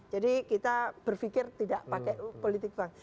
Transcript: jadi kita berfikir tidak pakai politik uang